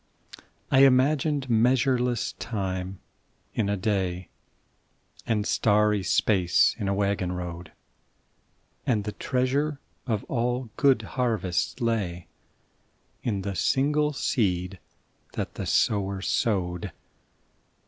I imagined measureless time in a day, And starry space in a waggon road, And the treasure of all good harvests lay In the single seed that the sower sowed.